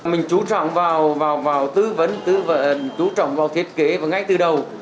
mình trú trọng vào tư vấn trú trọng vào thiết kế và ngay từ đầu